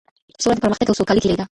سوله د پرمختګ او سوکالۍ کيلي ده.